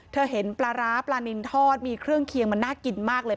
เห็นปลาร้าปลานินทอดมีเครื่องเคียงมันน่ากินมากเลย